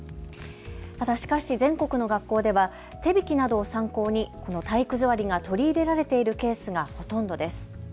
ただしかし全国の学校では手引などを参考に体育座りが取り入れられているケースがほとんどです。